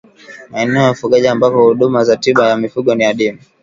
maeneo ya ufugaji ambako huduma za tiba ya mifugo ni adimu